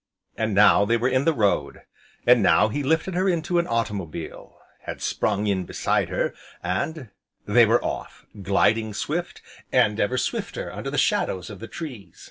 And now, they were in the road; and now he had lifted her into an automobile, had sprung in beside her, and they were off, gliding swift, and ever swifter, under the shadows of the trees.